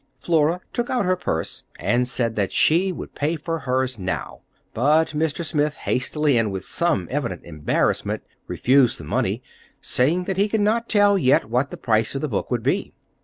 Flora took out her purse and said that she would pay for hers now; but Mr. Smith hastily, and with some evident embarrassment, refused the money, saying that he could not tell yet what the price of the book would be.